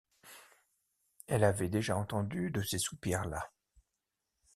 Elle avait déjà entendu de ces soupirs-là.